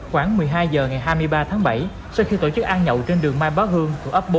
khoảng một mươi hai giờ ngày hai mươi ba tháng bảy sau khi tổ chức ăn nhậu trên đường mai bá hương